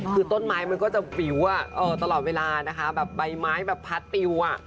คือต้นไม้มันก็จะวิวตลอดเวลานะคะแบบใบไม้แบบพัดติว